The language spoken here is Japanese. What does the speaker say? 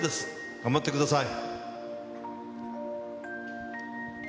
頑張ってください。